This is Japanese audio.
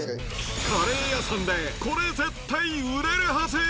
カレー屋さんでこれ絶対売れるはず。